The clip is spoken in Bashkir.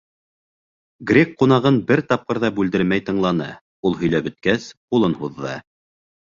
Грек ҡунағын бер тапҡыр ҙа бүлдермәй тыңланы, ул һөйләп бөткәс, ҡулын һуҙҙы: